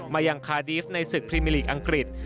มายังคาดีฟในศึกพรีมิลีกอังกฤษ